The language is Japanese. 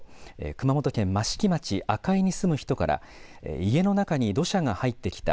熊本県益城町赤井に住む人から家の中に土砂が入ってきた。